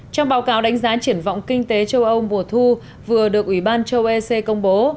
trong báo cáo đánh giá triển vọng kinh tế châu âu mùa thu vừa được ủy ban châu ec công bố